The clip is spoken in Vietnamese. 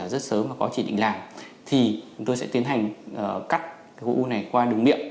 rất sớm và có chỉ định làm thì chúng tôi sẽ tiến hành cắt u này qua đường miệng